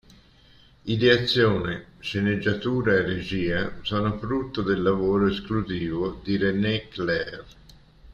Ideazione, sceneggiatura e regia sono frutto del lavoro esclusivo di René Clair.